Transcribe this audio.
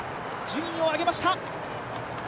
順位を上げました！